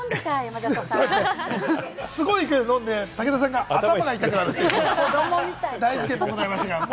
すごい勢いで飲んで、武田さん、頭が痛くなるというね。